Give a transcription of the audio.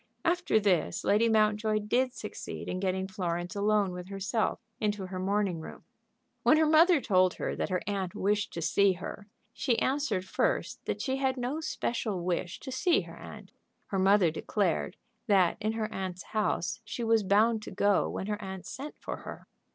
After this, Lady Mountjoy did succeed in getting Florence alone with herself into her morning room. When her mother told her that her aunt wished to see her, she answered first that she had no special wish to see her aunt. Her mother declared that in her aunt's house she was bound to go when her aunt sent for her.